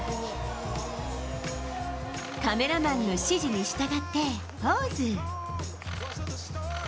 カメラマンの指示に従って、ポーズ。